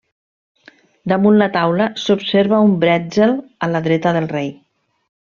Damunt la taula, s'observa un brètzel a la dreta del rei.